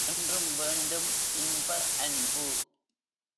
என்றும் வேண்டும் இன்ப அன்பு.